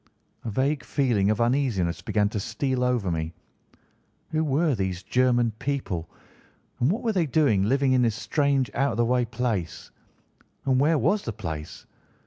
A vague feeling of uneasiness began to steal over me. Who were these German people, and what were they doing living in this strange, out of the way place? And where was the place?